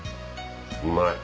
うまい。